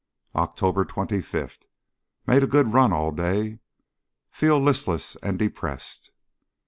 October 25. Made a good run all day. Feel listless and depressed.